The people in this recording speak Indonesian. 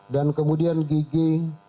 dan kemudian gigi